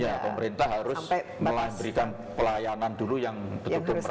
ya pemerintah harus memberikan pelayanan dulu yang betul betul